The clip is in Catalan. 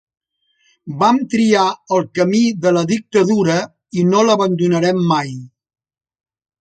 Vam triar el camí de la dictadura i no l'abandonarem mai.